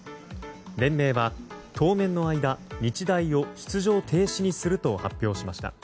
連盟は当面の間日大を出場停止にすると発表しました。